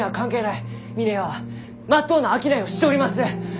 峰屋はまっとうな商いをしちょります！